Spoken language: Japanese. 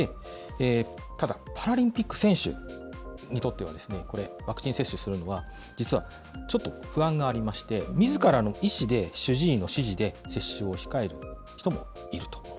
ただ、パラリンピック選手にとっては、これ、ワクチン接種するのは、実はちょっと不安がありまして、みずからの意思で、主治医の指示で接種を控える人もいると。